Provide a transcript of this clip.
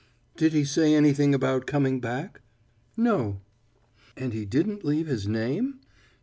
"Did he say anything about coming back?" "No." "And he didn't leave his name?"